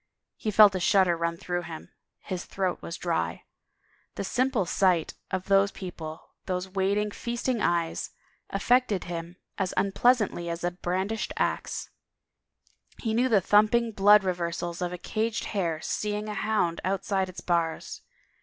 He felt a shudder run through him; his throat was dry. The simple sight of those people, those waiting, feasting eyes, affected him as unpleasantly as a brandished ax. He knew the thum ping blood reversals of a caged hare seeing a hound out side its bars.